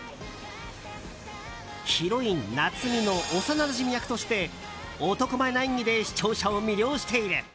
ヒロイン夏海の幼なじみ役として男前な演技で視聴者を魅了している。